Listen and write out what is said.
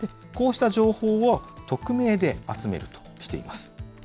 こうした情報を匿名で集めるとしています。